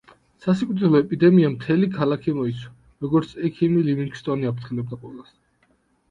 სასიკვდილო ეპიდემიამ მთელი ქალაქი მოიცვა, როგორც ექიმი ლივინგსტონი აფრთხილებდა ყველას.